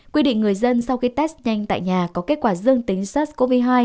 quy định người dân sau khi test nhanh tại nhà có kết quả dương tính sars cov hai